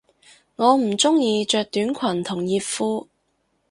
我唔鍾意着短裙同熱褲